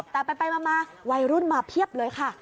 แต่ไปมาวัยรุ่นมาเพียบเลยค่ะ